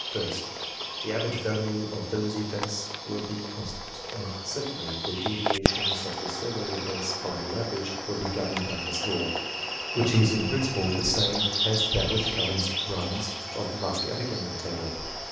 First, the average value of those events will be constant; and, secondly, the deviations of the several events from the average, will be governed by this law (which is, in prin ciple, the same as that which governs runs of luck at a gaming table).